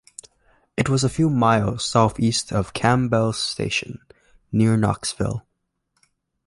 It was a few miles southeast of Campbell's Station, near Knoxville.